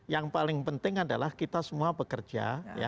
yang paling penting adalah kita semua bekerja